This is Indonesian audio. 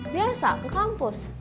biasa ke kampus